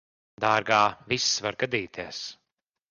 Dārgā, viss var gadīties.